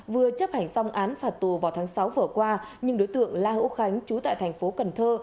vừa chấp hành xong án phạt tù vào tháng sáu vừa qua nhưng đối tượng la hữu khánh chú tại thành phố cần thơ